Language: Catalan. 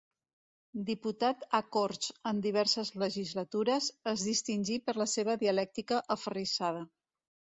Diputat a Corts en diverses legislatures, es distingí per la seva dialèctica aferrissada.